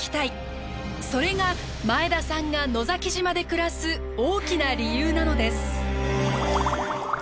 それが前田さんが野崎島で暮らす大きな理由なのです。